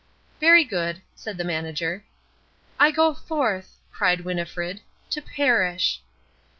"Very good," said the manager. "I go forth," cried Winnifred, "to perish."